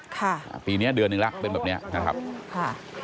ค่ะปีนี้เดือนหนึ่งละเป็นแบบนี้นะครับค่ะ